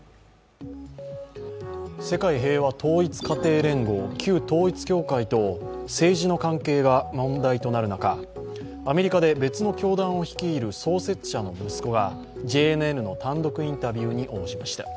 世界平和統一家庭連合＝旧統一教会と政治の関係が問題となる中、アメリカで別の教団を率いる創設者の息子がＪＮＮの単独インタビューに応じました。